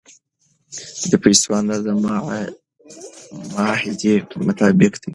د پیسو اندازه د معاهدې مطابق ده.